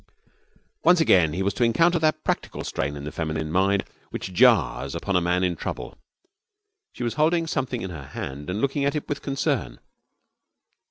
Once again he was to encounter that practical strain in the feminine mind which jars upon a man in trouble. She was holding something in her hand and looking at it with concern.